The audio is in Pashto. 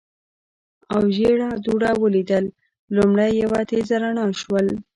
او ژېړه دوړه ولیدل، لومړی یوه تېزه رڼا شول.